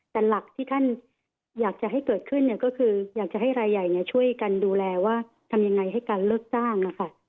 แต่หลักที่ท่านอยากจะให้เกิดขึ้นเนี่ยก็คืออยากจะให้รายใหญ่ช่วยกันดูแลว่าทำยังไงให้การเลิกจ้างนะคะ